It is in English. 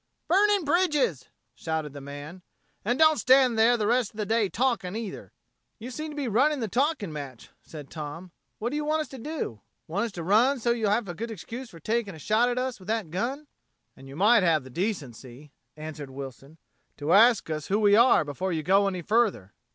"Burning bridges!" shouted the man. "An' don't stand there the rest of the day talking, either." "You seem to be running the talking match," said Tom. "What do you want us to do? Want us to run so's you can have a good excuse for taking a shot at us with that gun?" "And you might have the decency," answered Wilson, "to ask us who we are before you go any further."